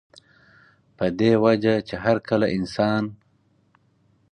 پۀ دې وجه چې هر کله انسان